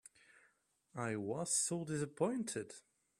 I was so dissapointed.